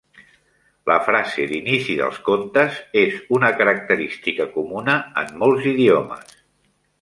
La "frase d'inici dels contes" és una característica comuna en molts idiomes.